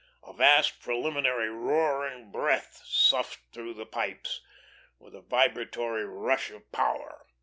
A vast preliminary roaring breath soughed through the pipes, with a vibratory rush of power.